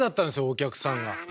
お客さんが。